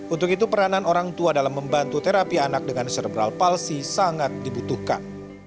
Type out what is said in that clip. untuk itu peranan orang tua dalam membantu terapi anak dengan serebral palsi sangat dibutuhkan